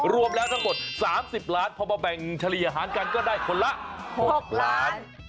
รวมแล้วทั้งหมด๓๐ล้านพอมาแบ่งเฉลี่ยอาหารกันก็ได้คนละ๖ล้าน